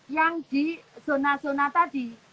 yang di zona zona tadi